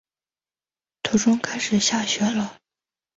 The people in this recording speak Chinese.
途中开始下雪了